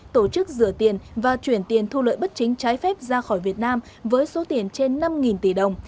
tổ chức rửa tiền và chuyển tiền thu lợi bất chính trái phép ra khỏi việt nam với số tiền trên năm tỷ đồng